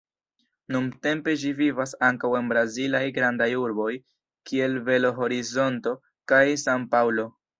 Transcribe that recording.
Nuntempe ĝi vivas ankaŭ en brazilaj grandaj urboj, kiel Belo Horizonto kaj San-Paŭlo.